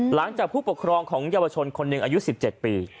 ผู้ปกครองของเยาวชนคนหนึ่งอายุ๑๗ปี